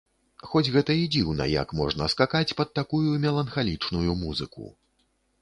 Хоць гэта і дзіўна, як можна скакаць пад такую меланхалічную музыку.